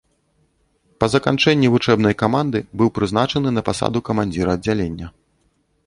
Па заканчэнні вучэбнай каманды быў прызначаны на пасаду камандзіра аддзялення.